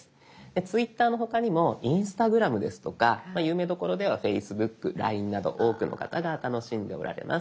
「Ｔｗｉｔｔｅｒ」の他にも「Ｉｎｓｔａｇｒａｍ」ですとか有名どころでは「Ｆａｃｅｂｏｏｋ」「ＬＩＮＥ」など多くの方が楽しんでおられます。